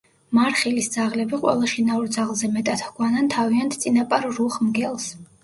მარხილის ძაღლები ყველა შინაურ ძაღლზე მეტად ჰგვანან თავიანთ წინაპარ რუხ მგელს.